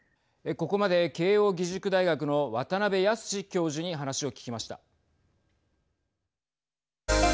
ここまで慶應義塾大学の渡辺靖教授に話を聞きました。